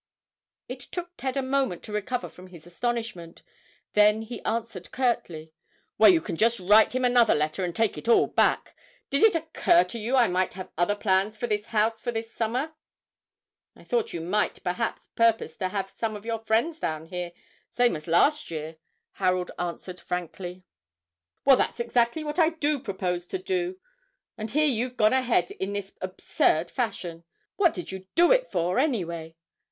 It took Ted a moment to recover from his astonishment; then he answered curtly, "Well, you can just write him another letter and take it all back. Did it occur to you I might have other plans for this house for this summer?" "I thought you might perhaps propose to have some of your friends down here, same as last year," Harold answered frankly. [Illustration: 0014] "Well, that's exactly what I do propose to do, and here you've gone ahead in this absurd fashion. What did you do it for, anyway?"